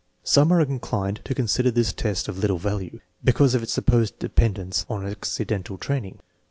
Some are inclined to consider this test of little value, because of its supposed dependence on acci dental training.